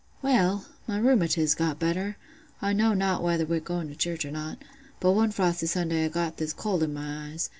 "Well, my rheumatiz got better—I know not whether wi' going to church or not, but one frosty Sunday I got this cold i' my eyes.